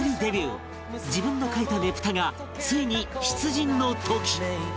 自分の描いたねぷたがついに出陣の時！